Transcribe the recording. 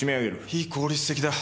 非効率的だ。